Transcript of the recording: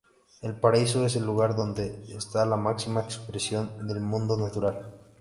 El paraíso es el lugar donde esta la máxima expresión del mundo natural.